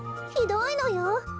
ひどいのよ。